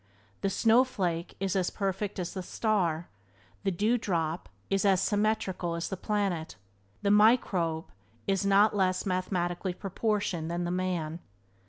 The snowflake is as perfect as the star; the dew drop is as symmetrical as the planet; the microbe is not less mathematically proportioned than the man.